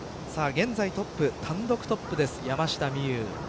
現在トップ単独トップです、山下美夢有。